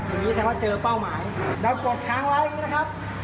อย่างนี้แสดงว่าเจอเป้าหมายแล้วกดค้างไว้นะครับ